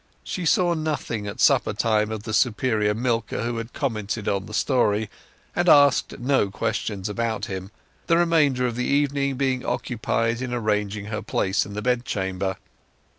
She saw nothing at supper time of the superior milker who had commented on the story, and asked no questions about him, the remainder of the evening being occupied in arranging her place in the bed chamber.